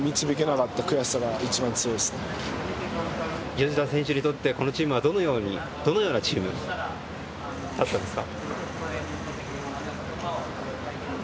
吉田選手にとってこのチームはどのようなチームでしたか？